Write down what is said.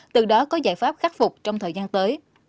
từ đó có giải pháp khắc phục trong thời gian tới